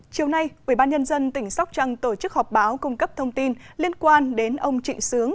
chiều nay ubnd tỉnh sóc trăng tổ chức họp báo cung cấp thông tin liên quan đến ông trịnh sướng